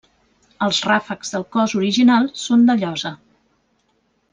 Els ràfecs del cos original són de llosa.